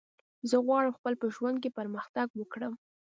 زه غواړم خپل په ژوند کی پرمختګ وکړم